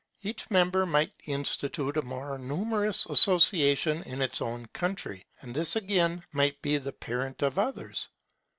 Each member might institute a more numerous association in his own country, and this again might be the parent of others.